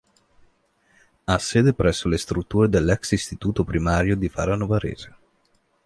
Ha sede presso le strutture dell'ex istituto primario di Fara Novarese.